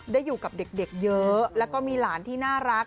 ได้อยู่กับเด็กเยอะแล้วก็มีหลานที่น่ารัก